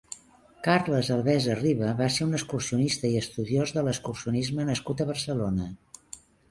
Carles Albesa Riba va ser un excursionista i estudiós de l'excursionisme nascut a Barcelona.